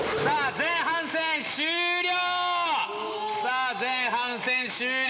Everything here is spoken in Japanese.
さあ前半戦終了。